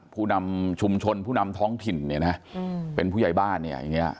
ผู้นำชุมชนผู้นำท้องถิ่นเนี่ยนะเป็นผู้ใหญ่บ้านเนี่ยอย่างนี้